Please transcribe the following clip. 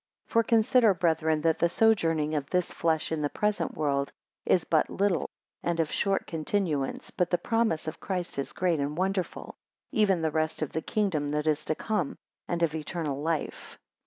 3 For consider, brethren, that the sojourning of this flesh in the present world, is but little, and of a short continuance, but the promise of Christ is great and wonderful, even the rest of the kingdom that is to come, and of eternal life.